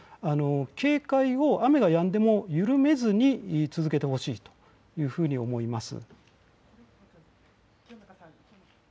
警戒を雨がやんでも緩めずに続けてほしいというふうに思います。